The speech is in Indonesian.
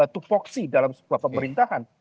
to foxy dalam sebuah pemerintahan